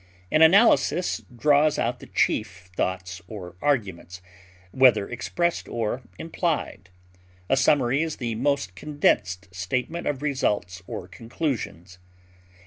An analysis draws out the chief thoughts or arguments, whether expressed or implied. A summary is the most condensed statement of results or conclusions.